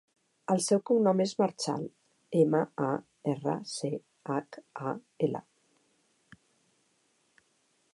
El seu cognom és Marchal: ema, a, erra, ce, hac, a, ela.